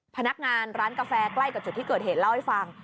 พนักงานร้านกาแฟใกล้กับจุดที่เกิดเหตุเล่าให้ฟัง